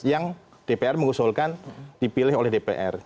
yang dpr mengusulkan dipilih oleh dpr